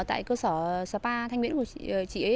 tại cơ sở spa thanh nguyễn của chị ấy